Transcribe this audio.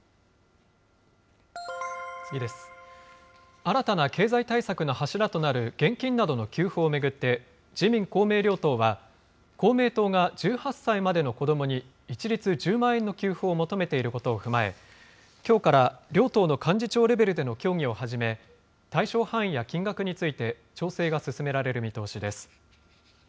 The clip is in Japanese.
新たな経済対策の柱となる現金などの給付を巡って、自民、公明両党は、公明党が１８歳までの子どもに、一律１０万円の給付を求めていることを踏まえ、きょうから両党の幹事長レベルでの協議を始め、対象範囲や金額について、調整が進められる見通しです。